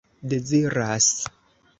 deziras